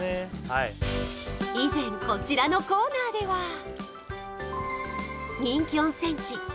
はい以前こちらのコーナーでは人気温泉地